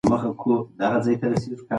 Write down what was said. هغه د کړکۍ تر څنګ د فکرونو په ټال کې کېناسته.